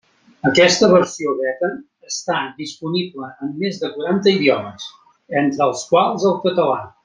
Aquesta versió beta està disponible en més de quaranta idiomes, entre els quals el català.